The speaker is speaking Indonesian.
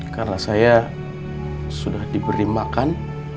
karena saya sudah diberi makan